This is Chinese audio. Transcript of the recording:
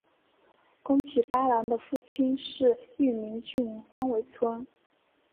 宫崎八郎的父亲是玉名郡荒尾村。